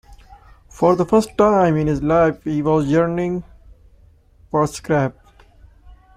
For the first time in his life he was yearning for a scrap.